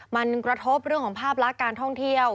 มันกระทบเรื่องของภาพลักษณ์การท่องเที่ยว